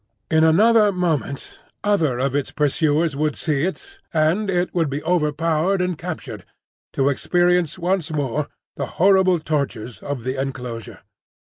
In another moment other of its pursuers would see it, and it would be overpowered and captured, to experience once more the horrible tortures of the enclosure.